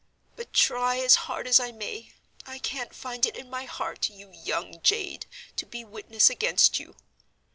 "But, try as hard as I may, I can't find it in my heart, you young jade, to be witness against you.